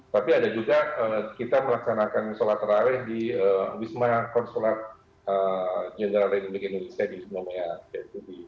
tapi ada juga kita melaksanakan sholat terawih di wisma konsulat jenderal republik indonesia di semuanya